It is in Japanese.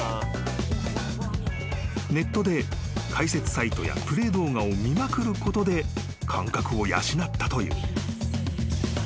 ［ネットで解説サイトやプレー動画を見まくることで感覚を養ったという］